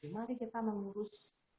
mari kita mengurus